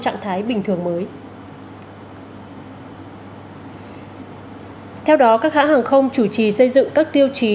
trạng thái bình thường mới theo đó các hãng hàng không chủ trì xây dựng các tiêu chí